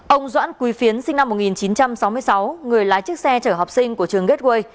ông doãn quý phiến sinh năm một nghìn chín trăm sáu mươi sáu người lái chiếc xe chở học sinh của trường gateway